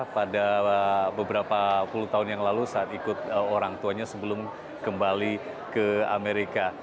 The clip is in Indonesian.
pada beberapa puluh tahun yang lalu saat ikut orang tuanya sebelum kembali ke amerika